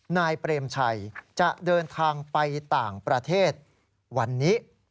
นายเปรมชัยจะเดินทางไปต่างประเทศวันนี้